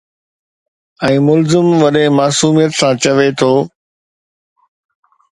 ۽ ملزم وڏي معصوميت سان چوي ٿو.